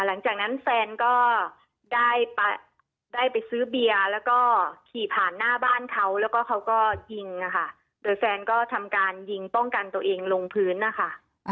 หลังจากนั้นแฟนก็ได้ไปซื้อเบียร์แล้วก็ขี่ผ่านหน้าบ้านเขาแล้วก็เขาก็ยิงนะคะโดยแฟนก็ทำการยิงป้องกันตัวเองลงพื้นนะคะ